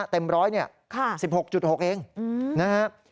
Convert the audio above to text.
เต็มร้อยเนี่ย๑๖๖เองนะครับ